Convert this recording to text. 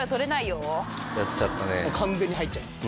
完全に入っちゃってます。